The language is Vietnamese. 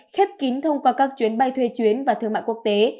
khép kín thông qua các chuyến bay thuê chuyến và thương mại quốc tế